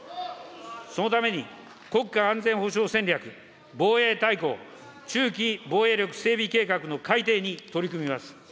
そのために、国家安全保障戦略、防衛大綱、中期防衛力整備計画の改定に取り組みます。